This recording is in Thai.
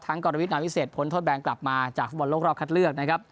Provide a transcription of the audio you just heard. กรวิทนาวิเศษพ้นโทษแบนกลับมาจากฟุตบอลโลกรอบคัดเลือกนะครับ